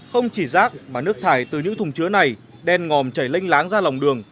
không chỉ rác mà nước thải từ những thùng chứa này đen ngòm chảy lênh láng ra lòng đường